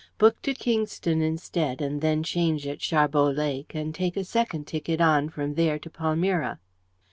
Book to Kingston instead, and then change at Sharbot Lake, and take a second ticket on from there to Palmyra."